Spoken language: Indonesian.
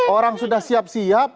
orang sudah siap siap